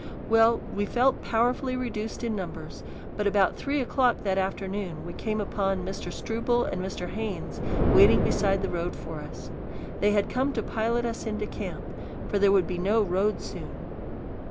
Well, we felt powerfully reduced in numbers, but about three o'clock that afternoon we came upon Mr. Struble and Mr. Haynes waiting beside the road for us. They had come to pilot us into camp, for there would be no road soon.